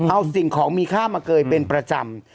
เอาสิ่งของมีค่ามาเกยเป็นประจำ